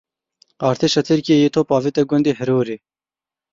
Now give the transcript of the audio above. Artêşa Tirkiyeyê top avête gundê Hirorê.